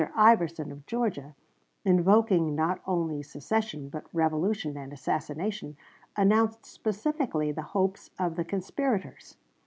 Iverson, of Georgia, invoking not only secession, but revolution and assassination, announced specifically the hopes of the conspirators.